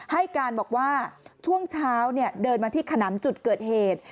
ให้การบอกว่าช่วงเช้าเดินมาที่ขนำจุดเกิดเหตุ